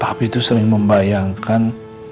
tapi tuh sering membayangkan